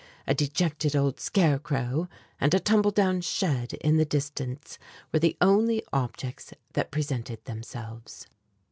A dejected old scarecrow, and a tumble down shed in the distance were the only objects that presented themselves.